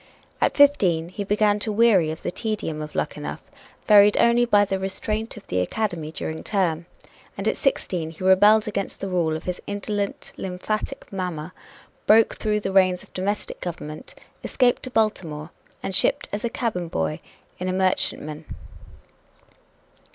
At fifteen he began to weary of the tedium of Luckenough, varied only by the restraint of the academy during term. And at sixteen he rebelled against the rule of his indolent lymphatic mamma, broke through the reins of domestic government, escaped to Baltimore and shipped as cabin boy in a merchantman.